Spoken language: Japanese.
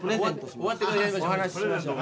お話ししましょう。